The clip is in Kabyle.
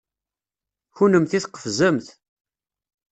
Kennemti tqefzemt.